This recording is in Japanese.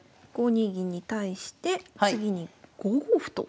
５二銀に対して次に５五歩と。